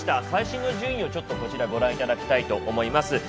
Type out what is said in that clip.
最新の順位をこちらご覧いただきたいと思います。